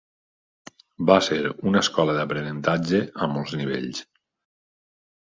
Va ser una escola d'aprenentatge a molts nivells.